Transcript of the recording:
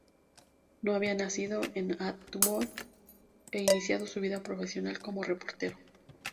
Había nacido en Atwood, e iniciado su vida profesional como reportero.